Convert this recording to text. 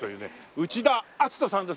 内田篤人さんです。